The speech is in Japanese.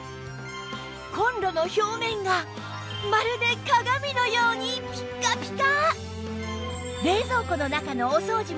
コンロの表面がまるで鏡のようにピッカピカ！